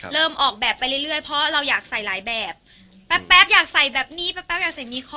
เริ่มออกแบบไปเรื่อยเพราะเราอยากใส่หลายแบบแป๊บอยากใส่แบบนี้แป๊บอยากใส่มีคอ